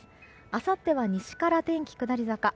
あさっては西から天気下り坂。